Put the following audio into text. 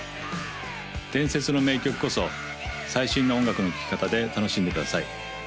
伝説の名曲こそ最新の音楽の聴き方で楽しんでください